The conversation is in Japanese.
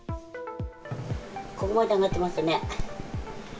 ここまで上がっていますね。